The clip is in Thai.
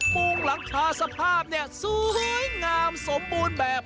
มุ่งหลังชาสภาพสวยงามสมบูรณ์แบบ